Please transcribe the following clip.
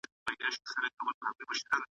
زه چی پلار وم قصابی لره روزلی ,